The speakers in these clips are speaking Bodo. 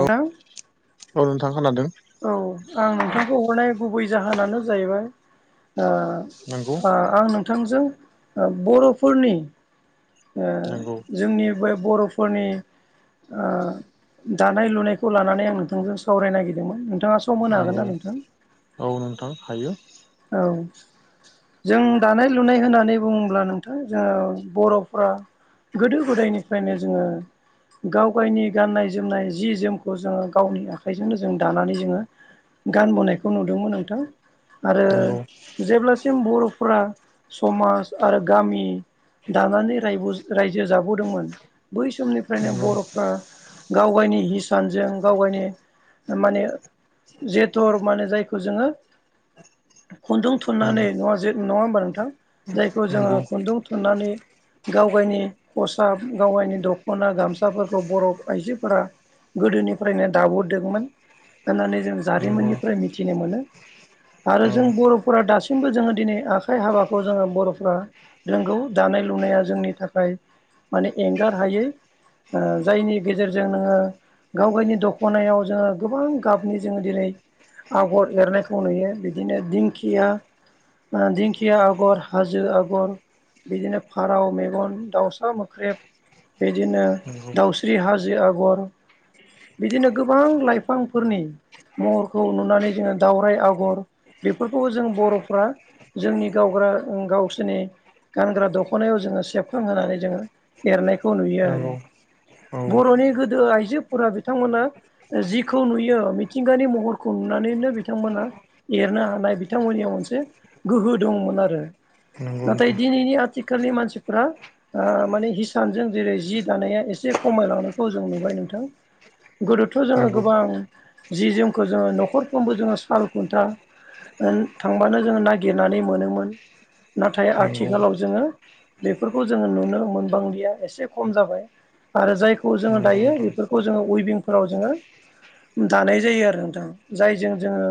औ औ नोंथां खोनादों औ आं नोंथांखौ हरनाय गुबै जाहोनानो जाहैबाय नंगौ आं नोंथांजों बर'फोरनि नंगौ जोंनि बे बर'फोरनि दानाय लुनायखौ लानानै आं नोंथांजों सावराय नागिरदों दोंमोन नोंथाङा सम नंगौ औ नोंथां हायो औ जों दानाय लुनाय होननानै बुङोब्ला नोंथां जोङो बर'फ्रा गोदो गोदायनिफ्रायनो जोङो गाव गायनि गाननाय जोमनाय जि जोमखौ जोङो गावनि आखाइजोंनो जों दानानै जोङो गानबोनायखौ नुदोंमोन नोंथां आरो नंगौ जेब्लासिम बर'फोरा समाज आरो गामि दानानै रायबो रायजो जाबोदोंमोन बै समनिफ्रायनो नंगौ बर'फ्रा गाव गावनि हिसानजों गाव गावनि माने जेथर माने जायखौ जोङो खुन्दुं उम थुननानै ना जे नङा होमबा नोंथां जायखौ जोङो नंगौ खुन्दुं थुननानै गाव गावनि खसाब गाव गावनि दख'ना गामसाफोरखौ बर' आइजोफोरा गोदोनिफ्रायनो दाबोदोंमोन होननानै जों नंगौ जारिमिननिफ्राय मिथिनो मोनो आरो औ जों बर'फोरा दासिमबो जोङो दिनै आखाइ हाबाखौ जोङो बर'फ्रा रोंगौ दानाय लुनाया जोंनि थाखाय माने एंगार हायै ओ जायनि गेजेरजों नोङो गाव गावनि दख'नायाव जोङो गोबां गाबनि जोङो दिनै आगर एरनायखौ नुयो बिदिनो दिंखिया दिंखिया आगर हाजो आगर बिदिनो फारौ मेगन दाउसा मोख्रेब बिदिनो नंगौ दाउस्रि हाजो आगर बिदिनो गोबां लाइफांफोरनि महरखौ नुनानै जोङो दावराय आगर बेफोरखौबो जों बर'फ्रा जोंनि गावग्रा गावसोरनि गानग्रा दख'नायाव जोङो सेबखां होनानै जोङो एरनायखौ नुयो नंगौ आरो औ बर'नि गोदो आइजोफोरा बिथांमोना जिखौ नुयो मिथिंगानि महरखौ नुनानैनो बिथांमोना एरनो हानाय बिथांमोननियाव मोनसे गोहो दंमोन आरो नंगौ नाथाय नोंथां दिनैनि आथिखालनि मानसिफोरा ओ माने हिसानजों जेरै जि दानाया एसे खमायलांनायखौ जों नुबाय नोंथां गोदोथ' जोङो नंगौ गोबां जि जोमखौ जोङो न'खरफ्रोमबो जोङो साल खुन्था ओ थांबानो जोङो नागिरनानै मोनोमोन नाथाय नंगौ आथिखालाव जोङो बेफोरखौ जोङो नुनो मोनबांलिया एसे खम जाबाय आरो जायखौ जोङो नंगौ दायो नोंथां बेफोरखौ जोङो उइभिंफोराव जोङो दानाय जायो आरो नोंथां जायजों जोङो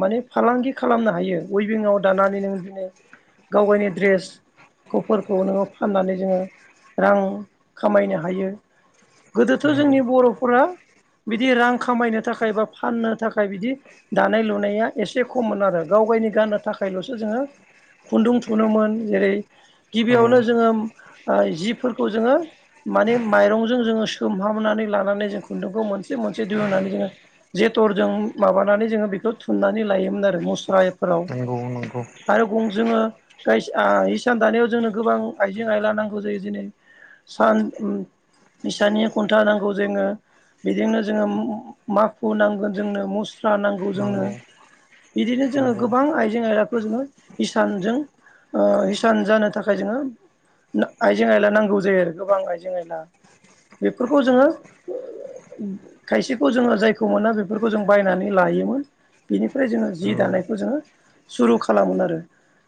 माने फालांगि खालामनो हायो उइभिंआव दानानै नों बिदिनो गाव गावनि ड्रेस फोरखौ नोङो फाननानै जोङो रां खामायनो हायो गोदोथ' नंगौ जोंनि बर'फोरा बिदि रां खामायनो थाखाय बा फाननो थाखाय बिदि दानाय लु नाया एसे खममोन आरो गाव गावनि गाननो थाखायल'सो जोङो खुन्दुं थुनोमोन जेरै औ गिबियावनो जोङो जिफोरखौ जोङो माने माइरंजों जोङो सोमहाबनानै लानानै जों खुन्दुंखौ मोनसे मोनसे दिहुनानै जोङो जेथरजों माबानानै जोङो बेखौ थु थुननानै लायोमोन आरो मुस्राफोराव नंगौ नंगौ आरो बुं जोङो इसान दानायाव जोंनो गोबां आइजें आयला नांगौ जायो दिरै सान इसाननि खुन्था नांगौ जोङो बेजोंनो जोङो माखु नांगोन जोंनो मुस्रा नांगौ जोंनो नंगौ बिदिनो जोङो नंगौ गोबां आइजें आयलाखौ जोङो इसानजों ओ हिसान जानो थाखाय जोङो आइजें आयला नांगौ जायो आरो गोबां आइजें आयला बेफोरखौ जोङो खायसेखौ जोङो जायखौ मोना बेफोरखौ जों बायनानै लायोमोन। बिनिफ्राय जोङो जि नंगौ दानायखौ जोङो सुरु खालामोन आरो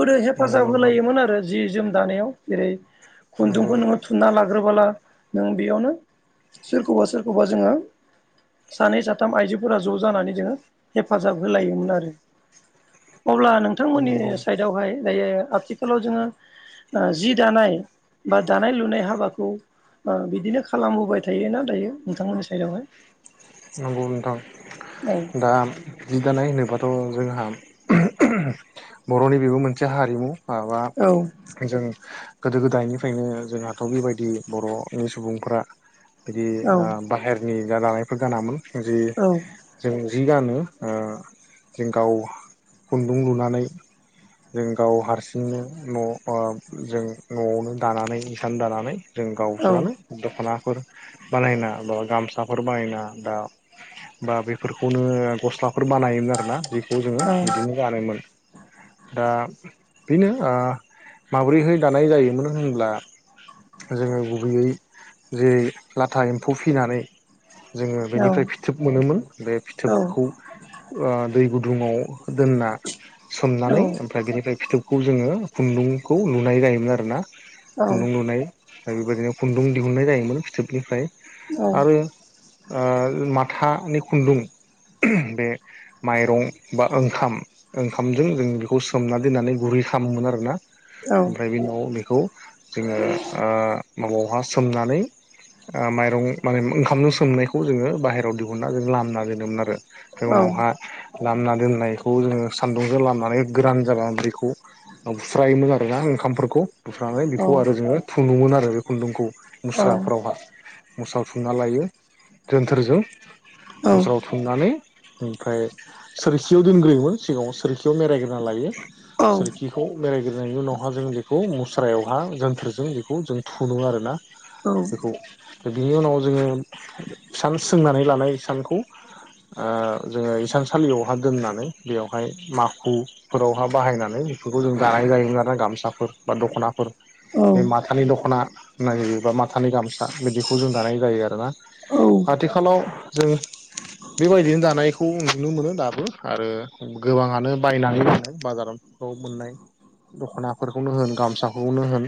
गोदो नंगौ हेफाजाब नोंथां होलायोमोन आरो जि जोम दानायाव जेरै नंगौ खुन्दुंखौ नोङो थुनना लाग्रोबोला नों बेयावनो सोरखौबा सोरखौबा जोङो सानै साथाम आइजोफोरा ज' जानानै जोङो हेफाजाब होलायोमोन आरो अब्ला नोंथांमोननि नंगौ साइडआवहाय दायो आथिखालाव जोङो जि दानाय बा दानाय लुनाय हाबाखौ बिदिनो खालामबोबाय थायोना दायो नोंथांमोननि साइडआवहाय नंगौ नोथां। औ दा जि दानाय होनोबाथ' जोंहा बर'नि बेबो मोनसे हारिमु माबा औ जों गोदो गोदायनिफ्रायनो जोंहाथ' बेबायदि बर'नि सुबुंफोरा बिदि औ बाहेरनि जा लानायफोर गानामोन जि औ जों जि गानो जों गाव खुन्दुं लुनानै जों गाव हारसिंनो न' जों न'आवनो दानानै हिसान दानानै जों औ गावसोरानो दख'नाफोर बानायना बा गामसाफोर बानायना दा बा बेफ फोरखौनो गस्लाफोर बानायोमोन आरोना जखौ जोङो बिदिनो गानोमोन दा बेनो माब्रैहाय दानाय जायोमोन होनब्ला। जोङो गुबैयै जे लाथा एम्फौ फिनानै जोङो औ बेनिफ्राय फिथोब मोनोमोन बे औ फिथोबखौ दै गुदुङाव दोनना औ सोमनानै औ ओमफ्राय बेनिफ्राय फिथोबखौ जोङो खुन्दुंखौ लुनाय जायोमोन आर ना खुन्दुं लुनाय दा बेबायदिनो खुन्दुं दिहुननाय जायोमोन फिथोबनिफ्राय आरो। माथानि खुन्दुं बे माइरं बा ओंखाम ओंखामजों जों बेखौ सोमना दोननानै गुरै खालामोमोन आरोना ओमफ्राय बे उाव बेखौ जोङो माबायावहा सोमनानै माइरं माने ओंखामजों सोमनायखौ जोङो बाहेरायाव दिहुनना जों लाम खालामना दोनोममोन आरो बे उनावहा लामा दोननायखौ जोङो सान्दुंजों लामनानै गोरान जालानानै बेैखौ बुस्रायोमोन आरोना ओंखामफोरखौ। बुस्रानानै बेखौ आरो जोङो थुन्दोमोन आरो बे खुन्दुंखौ मुस्राफोरावहाय मोस्राफुनना लायो जोन्थोरजों मुस्रायाव थुमनानै ओमफ्राय सोरखियाव दोनग्रोयोमोन सिगाङाव सो याव मेररायग्रोना लायो सोरखि बेखौ बेरायग्रोननायनि उनावहा जों बेखौ मुस्रायावहा जोनथोरजों बेखौ जों थुनो आरो ना बेखौ दा बिनि उनाव जोङो सान सोंनानै लानाय हिसानखौ जोङो इसान सलियावहााय दोननानै बेवहाय माखु फोरावहा बाहायनानै बेफोरखौ जों दानाय जायोमोन आरोना गामसाफोर बा दख'नाफोर बे माथा माथानि दख'ना होननाय जायो बा माथानि गामसा बिदिखौ जों दानाय जायो आरोना आथिखालाव जों बेबायदिनो दानायखौ नुनो मोनो दाबो आरो गोबाङानो बायनानै लानाय बाजारफ्राव मोननाय दख'ना फोरखौनो होन गामसाखौनो होन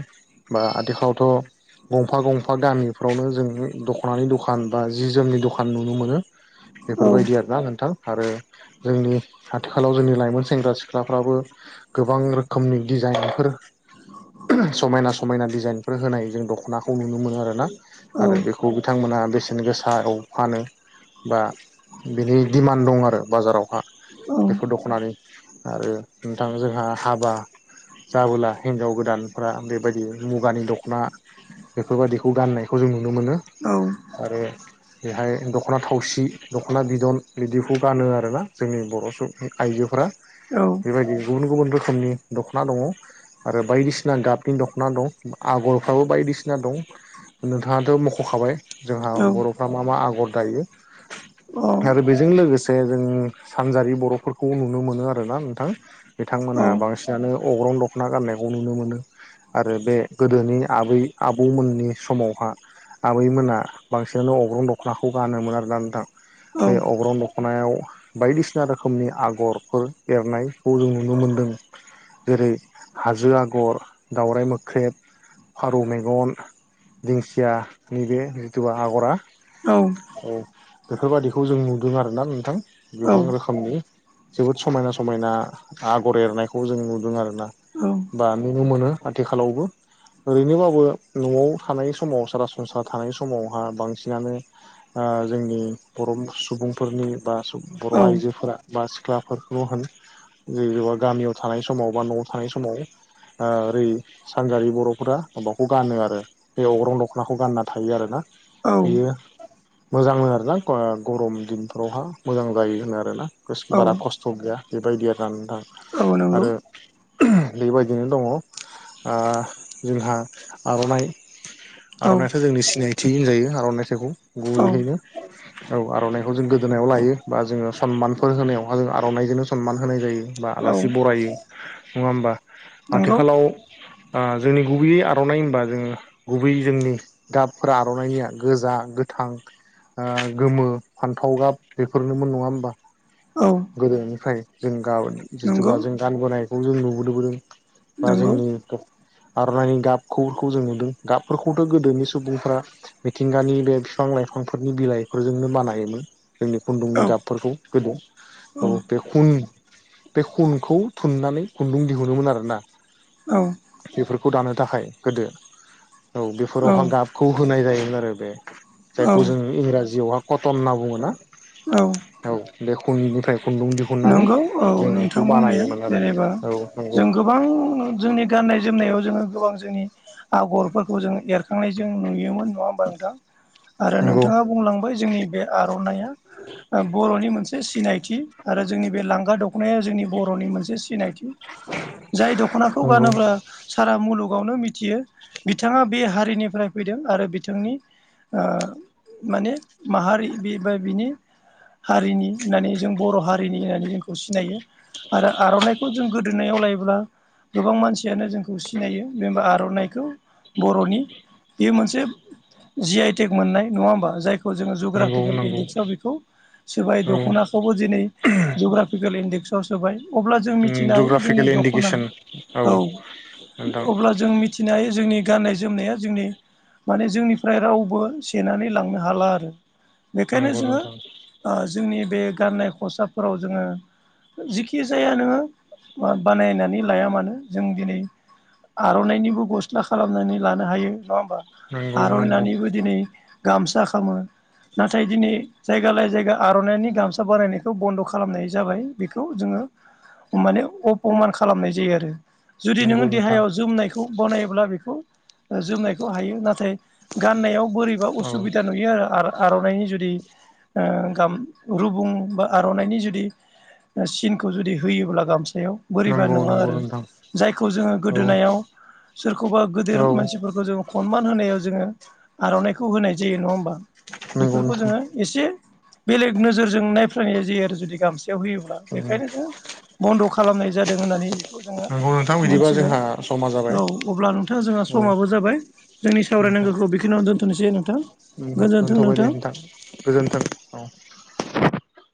बा आथिखावथ' गंफा गंफा गामिफ्रावनो जोंङो दख'नानि दखान बा जि जोमनि दखान नुनो मोनो बेफोर बायदि आरोना नोंथां आरो जोंनि आथिखालाव जोंनि लाइमोन सेंग्रा सिख्लाफ्राबो गोबां रोखोमनि डिजाइनफोर समायना समायना डिजाइनफोर होनाय जों दख'नाखौ नुनो मोनो आरोना आरो बेखौ बिथांमोना बेसेन गोसायाव फानो बा बिनि दिमान्द दं आरो बाजारावहा बेखौ दख'नानि आरो नोंथां जोंहा हाबा जाबोला हिनजाव गोदानफ्रा बेबायदि मुगानि दख'ना बेफोर बादिखौ गाननायखौ जों नुनो मोनो आरो बेहाय दख'ना थावसि दख'ना बिदन बिदिखौ गानो आरोना जोंनि बर' सुबुं आइजोफोरा औ बेबायदि गुबुन गुबुन रोखोमनि दख'ना दङ आरो बायदिसिना गाबनि दख'ना दं आगरफ्राबो बायदिसिना दं नोंथाङाथ' मख'खाबाय जोंहा बर'फ्रा मा मा आगर दायो औ आरो बे बेजों लोगोसे जों सानजारि बर'फोरखौ नुनो मोनो आरोना नोंथां बिथांमोना औ औ बांसिन नो अग्रं दखना गाननायखौ नुनो मोनो आरो बे गोदोनि आबै आबौमोननि समावहा आबैमोना बांसिनानो अग्रं दख'नाखौ गानोमोन आरोना नोंथां औ बे अग्रं दख'ना ख'नायाव बायदिसिना रोखोमनि आगरफोर एरनायखौ जों नुनो मोनदों जेरै हाजो आगर दावराइ मोख्रेब फारौ मेगन दिंखियानि बे जिथु आग'रा औ औ बेफोर बादिखौ जों नुदों आरोना नोंथां औ गोबां रोखोमनि जोबोद समायना समायना आगर एरनायखौ जों नुदों आरोना बा नुनो मोनो आथिखालावबो ओरैनोबाबो न'आव थानाय समाव सरासनस्रा थानाय समावहा बांसिनानो जोंनि बर' सुबुंफोरनि बा बर' औ आइजोफोरा बा सिख्लाफोरखौ होन जेनबा गामियाव थानाय समाव बा न'आव थानाय समाव आरै सानजारि बर'फोरा माबाखौ गानो आरो बे अग्रं दख'नाखौ गानना थायो आरो ना औ बेयो मोजांनो आरोना गरम दिनफोरावहा मोजां जायो होनो आरोना खोस औ बारा खस थ गैया बेबायदि आरो ना नोंथां औ नंगौ आरो बेबायदिनो दङ जोंहा ओ आर'नाइ औ आर'नाइयाथ' जोंनि सिनायथि होनजायो आर'नाइसोखौ औ गुबैयैनो औ आर'नाइखौ जों गोदोनायाव लायो बा जोङो सनमानफोर होनायावहा जों आर'नाइजोंनो सनमान होनाय जायो बा औ आलासि बरायो नङा होमबा नंगौ आथिखालाव ओ जोंनि गुबैयै आर'नाइ होनबा जोङो गुबैयै जोंनि गाबफोरा आर'नाइनिया गोजा गोथ थां ओ गोमो फान्थाव गाब बेफोरनोमोन नङा होमबा औ गोदोनिफ्राय जों गा नंगौ जिथुबा जों गानबोनायखौ जों नुबोदोबोदों बा नंगौ जोंनि आर'नाइनि गाबखौखौ जों नुदों गाबफोरखौथ' गोदोनि सुबुंफ्रा मिथिंगानि बे बिफां लाइफांफोरनि बिलाइफोरजोंनो बानायोमोन जोंनि औ खुन्दुंनि गाबफोरखौ गोदो औ बे खुन बे खुनखौ थुननानै खुन्दुं दिहुनोमोन आरोना औ बेफोरखौ दानो थाखाय गोदो औ बेफोरावहा औ गाब खौ होनाय जायोमोन आरो बे औ जायखौ जों इंराजियावहा कटन होनना बुङो ना औ औ बे खुंनिफ्राय खुन्दुं दि नंगौ औ नोंथां बुंनाया आरो जेनेबा औ नंगौ जों गो बां जोंनि गाननाय जोमनायाव जोङो गोबां जोंनि आगरफोरखौ जों एरखांनाय जों नुयोमोन नङा हो मबा नोंथां आरो नंगौ नोंथाङा बुंलांबाय जोंनि बे आर'नाइ बर'नि मोनसे बे सिनायथि आरो जोंनि बे लांगा द ख'नाया जोंनि बर'नि मोनसे सिनायथि जाय दख'नाखौ नंगौ गानोब्ला सारा मुलुगावनो मिथियो बिथाङा बे हारिनिफ्राय फैदों आरो बिथांनि ओ माने माहारि बे बा बिनि हारिनि होननानै जों बर' हारिनि होननानै जोंखौ सिनायो आरो आर'नाइखौ जों गोदोनायाव लायोब्ला गोबां मानसियानो जोंखौ सिनायो बेबा आर'नाइखौ बर'नि बियो मोनसे जि आइ टेक मोननाय नङा होमबा जायखौ खौ जोङो नंगौ जचग्राफिकेल नंगौ इनडेक्सआव बेखौ सोरबाय औ दख'ना दिनै जुग्राफिकेल इडेक्स आव सोबाय अब्ला जों मिथिनो हायो जोंनि जग्राफिकेल दख'ना इन्डिकेसन औ नोंथां अब्ला जों मिथिनो हायो जोंनि गाननाय जोमनाया जोंनि माने जोंनिफ्राय रावबो सेनानै लांनो हाला आरो। बेखायनो नंगौ जोङो नोंथां ओ जोंनि बे गाननाय खसाफोराव जोङो जिखि जाया नोङो बानायनानै लाया मानो जों दिनै आर'नाइनिबो गस्ला खालामनानै लानो हायो नङा होमबा नंगौ नंगौ आर'नायनिबो दिनै गामसा खालामो नाथाय दिनै जायगालायै जायगा आर'नाइनि गामसा बारायनायखौ बन्द' खालामनाय जाबाय बेखौ जोङो माने अपमान खालामनाय जायो आरो। जुदि नंगौ नोङो नोंथां देहायाव जोमनायखौ बनायोब्ला बेखौ जोमनायखौ हायो नाथाय गाननायाव बोरैबा औ असुबिदा नुयो आरो आर आर'नाइनि जुदि ओ गाम रुप बुं बा आर'नाइनि जुदि सिनखौ जुदि होयोब्ला गामसायाव बोरैबा नंगौ नङा नंगौ आरो नोंथां जायखौ जोङो औ गोदोनायाव सोरखौबा गेदेर औ मानसिफोरखौ जों खनमान होनायाव जोङो आर'नाइखौ होनाय जायो नङा होमबा नंगौ बेफोरखौ नोंथां जोङो एसे बेलेग नोजोर जों नायफायनाय जायो आरो जुदि गामसयाव होयोब्ला बेखायनो जोङो बन्द' खालामनाय जादों होननानै बे खौ जोङो नंगौ नोंथां बिदिबा मोनथिबाय जोंहा समा औ जाबाय अब्ला नोंथाङा जोंहा औ समाबो जाबाय जोंनि सावरायनांगौखौ बेखिनियावनो दोनथ'नोसै नोंथां। ओम दोनथ'बाय दे नोंथां गोजोनथों।